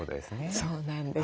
そうなんです。